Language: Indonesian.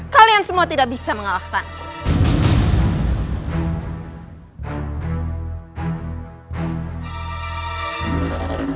kalian semua tidak bisa mengalahkan